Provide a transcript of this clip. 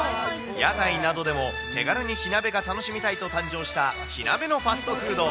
屋台などでも手軽に火鍋が楽しみたいと誕生した、火鍋のファストフード。